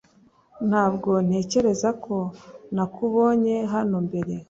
Ntabwo ntekereza ko nakubonye hano mbere